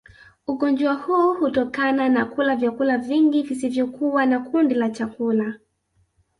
ugonjwa huu hutokana na kula vyakula vingi visivyokuwa na kundi la chakula